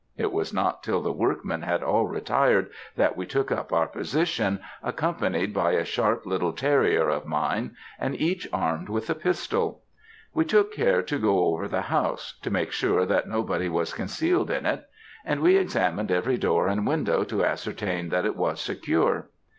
It was not till the workmen had all retired that we took up our position, accompanied by a sharp little terrier of mine, and each armed with a pistol. We took care to go over the house, to make sure that nobody was concealed in it; and we examined every door and window to ascertain that it was secure.